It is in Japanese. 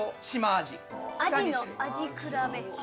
アジの味比べ。